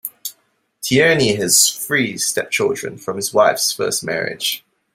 Tierney has three stepchildren from his wife's first marriage.